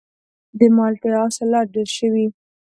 د مالټې حاصلات ډیر شوي؟